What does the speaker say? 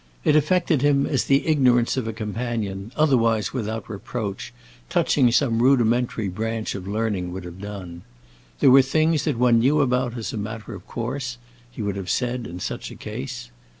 It affected him as the ignorance of a companion, otherwise without reproach, touching some rudimentary branch of learning would have done. There were things that one knew about as a matter of course, he would have said in such a case.